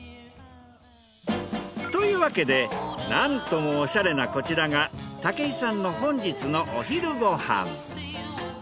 というわけでなんともオシャレなこちらが武井さんの本日のお昼ご飯。